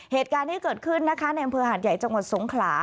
เหตุการณ์ที่เกิดขึ้นนะคะในอำเภอหาดใหญ่จังหวัดสงขลา